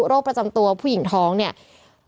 ประจำตัวผู้หญิงท้องเนี่ย